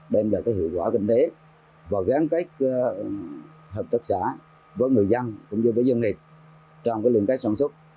đem lại cái hiệu quả kinh tế và gắn cách hợp tác xã với người dân cũng như với dân nghiệp trong cái liên kết sản xuất